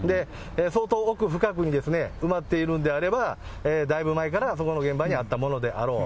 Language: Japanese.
相当奥深くに埋まっているんであれば、だいぶ前からその現場にあったものであろう。